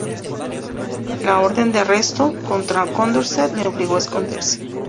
La orden de arresto contra Condorcet le obligó a esconderse.